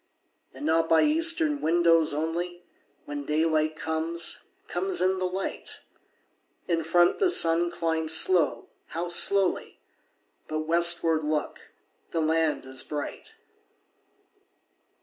And not by eastern windows only, When daylight comes, comes in the light; In front the sun climbs slow, how slowly! But westward, look, the land is bright!